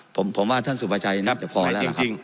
ผมว่าท่านสุประชัยนี้จะพอแล้ว